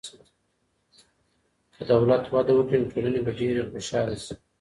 که دولت وده وکړي، نو ټولني به ډېره خوشحاله سي.